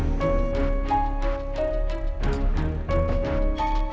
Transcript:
nih ya udah